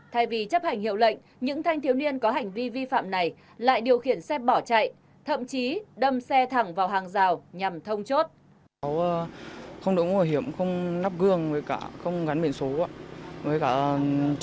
thay vì chấp hành hiệu lệnh những thanh thiếu niên có hành vi vi phạm này lại điều khiển xe bỏ chạy thậm chí đâm xe thẳng vào hàng rào nhằm thông chốt